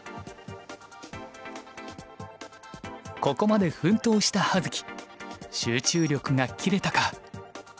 ここまで奮闘した葉月集中力が切れたか？